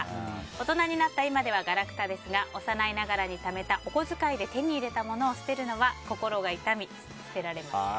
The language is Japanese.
大人になった今ではガラクタですが幼いながらにためたお小遣いで手に入れたものを捨てるのは心が痛み、捨てられません。